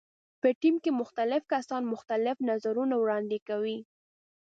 په ټیم کې مختلف کسان مختلف نظرونه وړاندې کوي.